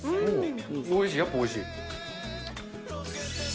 おいしい、やっぱおいしい。